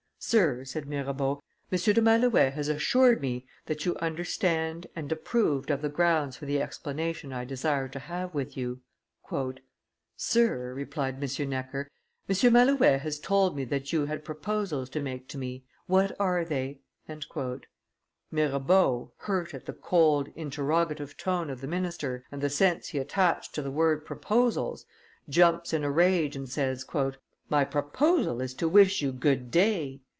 "Sir," said Mirabeau, "M. de Malouet has assured me that you understood and approved of the grounds for the explanation I desire to have with you." "Sir," replied M. Necker, "M. Malouet has told me that you had proposals to make to me; what are they?" Mirabeau, hurt at the cold, interrogative tone of the minister and the sense he attached to the word proposals, jumps up in a rage and says: "My proposal is to wish you good day."